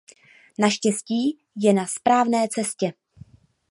Naštěstí je na správné cestě.